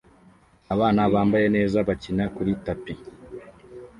Abana bambaye neza bakina kuri tapi